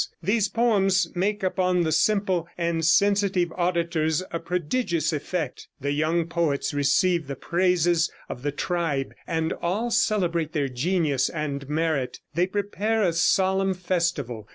These poems make upon the simple and sensitive auditors a prodigious effect. The young poets receive the praises of the tribe, and all celebrate their genius and merit. They prepare a solemn festival.